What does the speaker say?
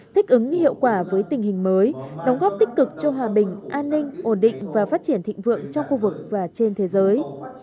thích ứng hiệu quả với tình hình mới đóng góp tích cực cho hòa bình an ninh ổn định và phát triển thịnh vượng trong khu vực và trên thế giới